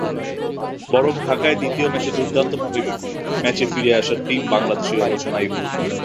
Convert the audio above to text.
বরং ঢাকায় দ্বিতীয় ম্যাচে দুর্দান্তভাবে ম্যাচে ফিরে আসা টিম বাংলাদেশের আলোচনাই হোক।